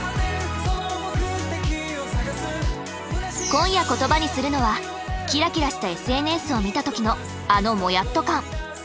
今夜言葉にするのはキラキラしたＳＮＳを見た時のあのもやっと感。